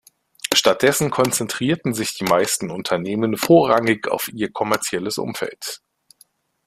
Stattdessen konzentrierten sich die meisten Unternehmen vorrangig auf ihr kommerzielles Umfeld.